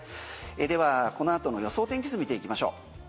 では、この後の予想天気図見ていきましょう。